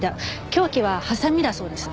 凶器はハサミだそうです。